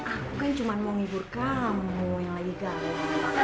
aku kan cuma mau ngibur kamu yang lagi galau